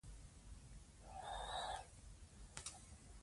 موږ د یوې روښانه راتلونکې څښتن یو.